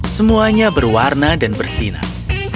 semuanya berwarna dan bersinar